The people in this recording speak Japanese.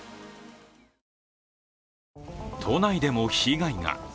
都内でも被害が。